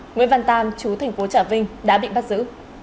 nguyễn văn tam chú thành phố trà vinh đã bị bắt giữ